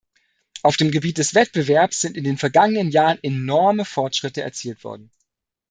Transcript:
Auf dem Gebiet des Wettbewerbs sind in den vergangenen Jahren enorme Fortschritte erzielt worden.